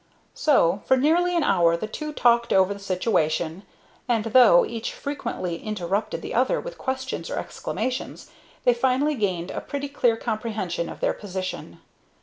So, for nearly an hour, the two talked over the situation; and, though each frequently interrupted the other with questions or exclamations, they finally gained a pretty clear comprehension of their position.